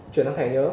chuyển sang thẻ nhớ